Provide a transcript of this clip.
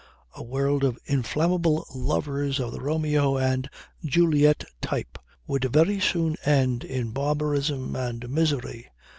A world of inflammable lovers of the Romeo and Juliet type would very soon end in barbarism and misery.